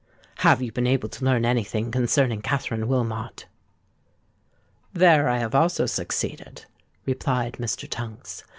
"Have you been able to learn any thing concerning Katherine Wilmot?" "There I have also succeeded," replied Mr. Tunks.